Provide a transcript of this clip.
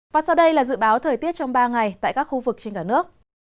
và sau đây là dự báo thời tiết trong ba ngày tại các khu vực trên cả nước